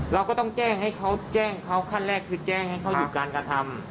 เราก็ต้องแจ้งให้เขาแจ้งเขาขั้นแรกคือแจ้งให้เขาหยุดการกระทำ